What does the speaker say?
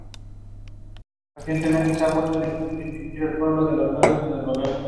Los conjuntos líticos se refieren a la temprana cultura Achelense.